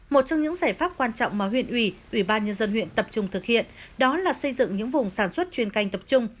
một trong những giải pháp quan trọng mà huyện ủy ủy ban nhân dân huyện tập trung thực hiện đó là xây dựng những vùng sản xuất chuyên canh tập trung